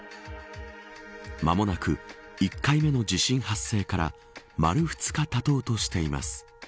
間もなく、１回目の地震発生から丸２日たとうとしています。